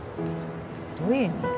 どういう意味？